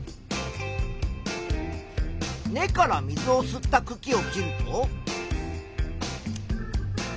根から水を吸ったくきを切ると。